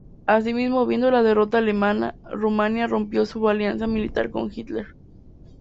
Asimismo, viendo la derrota alemana, Rumania rompió su alianza militar con Hitler.